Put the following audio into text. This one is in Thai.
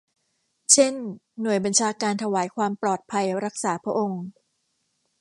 เช่น หน่วยบัญชาการถวายความปลอดภัยรักษาพระองค์